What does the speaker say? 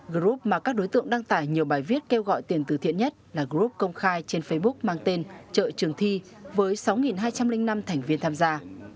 group mà các đối tượng đăng tải nhiều bài viết kêu gọi tiền từ thiện nhất là group công khai trên facebook mang tên trợ trường thi với sáu hai trăm linh năm thành viên tham gia